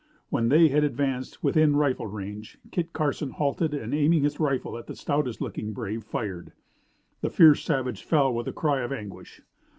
When they had advanced within rifle range Kit Carson halted and, aiming his rifle at the stoutest looking brave, fired. The fierce savage fell with a cry of anguish.